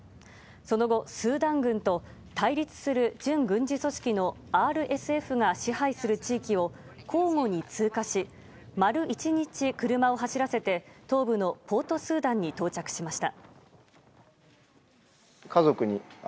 その後、スーダン軍と対立する準軍事組織のＲＳＦが支配する地域を交互に通過し丸１日、車を走らせて東部のポートスーダンに到着しました。